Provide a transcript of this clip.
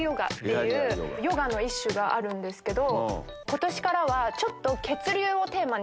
ヨガの一種があるんですけど。